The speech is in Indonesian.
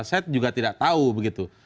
saya juga tidak tahu begitu